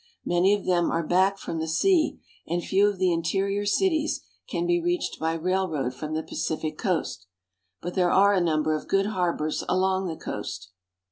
Many of them are back from the sea, and few of the interior cities can be reached by rail road from the Pacific coast. But there are a number of good harbors along the coast.